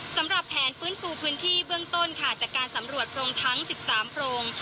สำหรับแผนฟื้นฟูพื้นที่เบื้องต้นค่ะจากการสำรวจโพรงทั้ง๑๓โพรง